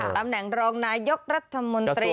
ตำแหน่งรองนายกรัฐมนตรี